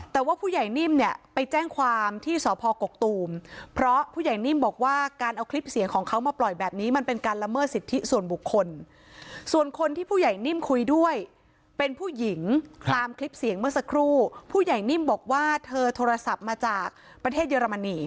แต่ว่าผู้ใหญ่นิ่มเนี่ยไปแจ้งความที่สพกกตูมเพราะผู้ใหญ่นิ่มบอกว่าการเอาคลิปเสียงของเขามาปล่อยแบบนี้มันเป็นการละเมิดสิทธิส่วนบุคคลส่วนคนที่ผู้ใหญ่นิ่มคุยด้วยเป็นผู้หญิงตามคลิปเสียงเมื่อสักครู่ผู้ใหญ่นิ่มบอกว่าเธอโทรศัพท์มาจากประเทศเยอรมนี